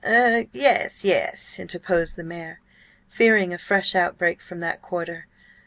"Er–yes, yes," interposed the mayor, fearing a fresh outbreak from that quarter.